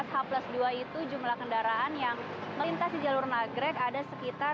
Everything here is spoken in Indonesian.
h plus dua itu jumlah kendaraan yang melintas di jalur nagrek ada sekitar